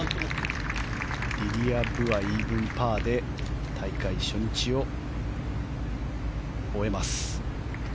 リリア・ブはイーブンパーで大会初日を終えます。